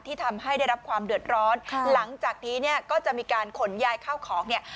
ทำให้ได้รับความเดือดร้อนหลังจากนี้เนี่ยก็จะมีการขนยายข้าวของเนี่ย